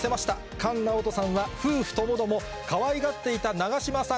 菅直人さんは夫婦ともどもかわいがっていた長島さん